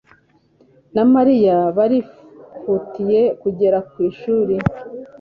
na Mariya barihutiye kugera ku ishuri.